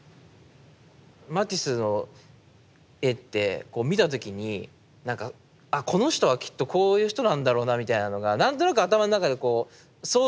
マティスの絵って見た時になんかあこの人はきっとこういう人なんだろうなみたいなのが何となく頭の中でこう想像できるような。